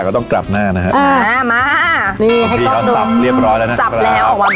ก็ต้องกลับหน้านะฮะอ่ามานี่สี่ตอนสับเรียบร้อยแล้วนะสับแล้ว